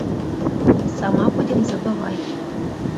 Сама будем забывай, —